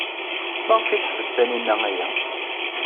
Maɣef ay teḥbes Taninna aya?